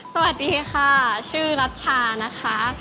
สวัสดีค่ะชื่อรัชชานะคะ